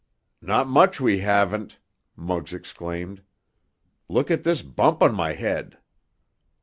"Not much we haven't!" Muggs exclaimed. "Look at this bump on my head!"